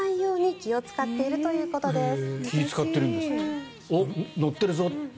気を使ってるんですって。